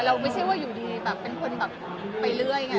ไม่ใช่ว่าอยู่ดีแบบเป็นคนแบบไปเรื่อยไง